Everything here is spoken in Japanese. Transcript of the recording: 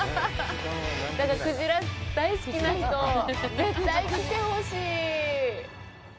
鯨大好きな人、絶対来てほしい。